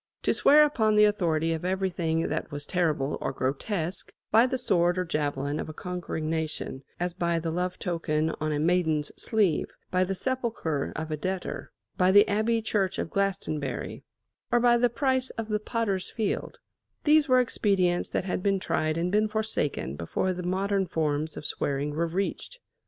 To swear upon the authority of everything that was terrible or grotesque by the sword or javelin of a conquering nation, as by the love token on a maiden's sleeve; by the sepulchre of a debtor; by the abbey church at Glastonbury, or by the price of the potter's field these were expedients that had been tried and been forsaken before the modern forms of swearing were reached.